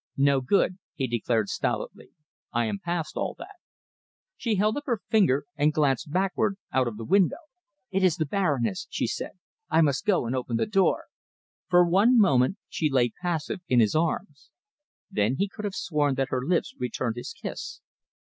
"No good!" he declared, stolidly. "I am past all that." She held up her finger, and glanced backward out of the window. "It is the Baroness," she said. "I must go and open the door." For one moment she lay passive in his arms; then he could have sworn that her lips returned his kiss.